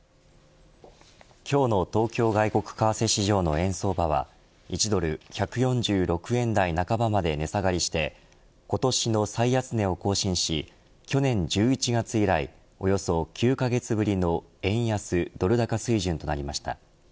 今日の東京外国為替市場の円相場は１ドル１４６円台半ばまで値下がりして今年の最安値を更新し去年１１月以来およそ９カ月ぶりの円安ドル高水準となりました。